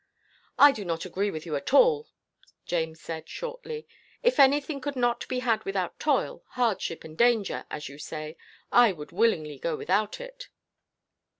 "I do not agree with you, at all," James said, shortly. "If anything could not be had without toil, hardship, and danger, as you say, I would willingly go without it."